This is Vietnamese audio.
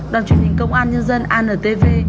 đoàn truyền hình công an nhân dân antv